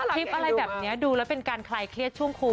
คลิปอะไรแบบนี้ดูแล้วเป็นการคลายเครียดช่วงโควิด